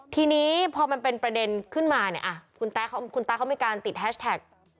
ทีนี้พอมันเป็นประเด็นขึ้นมาเนี่ยคุณตาเขามีการติดแฮชแท็ก